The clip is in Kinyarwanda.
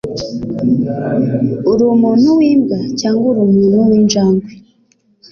Urumuntu wimbwa cyangwa umuntu winjangwe?